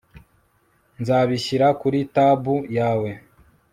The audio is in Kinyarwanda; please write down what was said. Nzabishyira kuri tab yawe